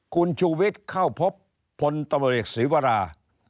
คุณชุวิตเข้าพบพลตำรวจศิวรา